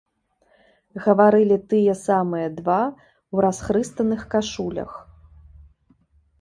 Гаварылі тыя самыя два ў расхрыстаных кашулях.